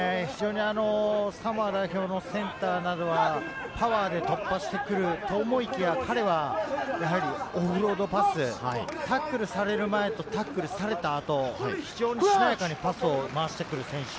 サモア代表のセンターなどはパワーで突破してくると思いきや、彼はオフロードパス、タックルされる前とタックルされた後、非常にしなやかにパスを回してくる選手。